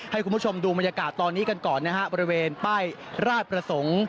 ให้คุณผู้ชมดูบรรยากาศตอนนี้กันก่อนนะฮะบริเวณป้ายราชประสงค์